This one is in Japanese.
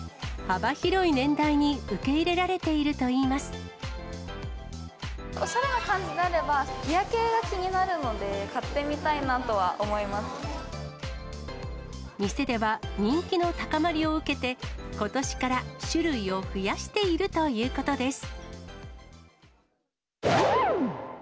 幅広い年代に受け入れられておしゃれな感じであれば、日焼けが気になるので、店では、人気の高まりを受けて、ことしから種類を増やしているということです。